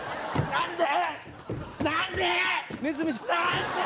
何で！？